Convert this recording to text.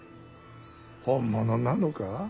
本物なのか。